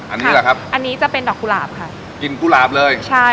อันนี้แหละครับอันนี้จะเป็นดอกกุหลาบค่ะกลิ่นกุหลาบเลยใช่